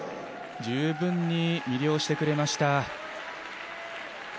十分に魅了してくれました。